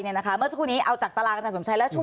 เมื่อช่วงนี้เอาจากตารางอาจารย์สมชัย